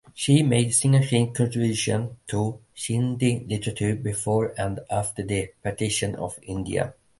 She made significant contributions to Sindhi literature before and after the partition of India.